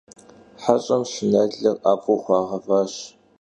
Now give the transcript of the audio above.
ХьэщӀэм щынэлыр ӀэфӀу хуагъэващ.